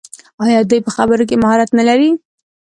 آیا دوی په خبرو کې مهارت نلري؟